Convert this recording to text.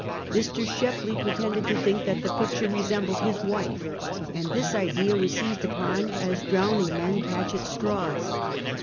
Mr. Sbepley pretended to tbink tbat tbe picture resembled bis wife, and tbis idea was seized upon as drowning men catcb at straws.